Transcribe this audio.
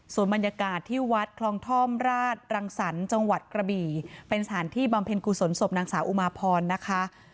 ส่วนบรรยากาศที่วัดคลองท่อมราชรังสรรค์จังหวัดกระบี่เป็นสถานที่บำเพ็ญกุศลศพนางสาวอุมาพรนะคะ